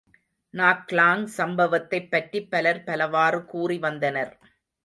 நாக்லாங் சம்பவத்தைப் பற்றிப் பலர் பலவாறு கூறி வந்தனர்.